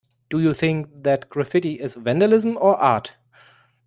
Do you think that graffiti is vandalism or art?